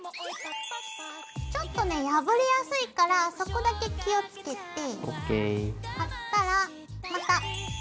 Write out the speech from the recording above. ちょっとね破れやすいからそこだけ気をつけて。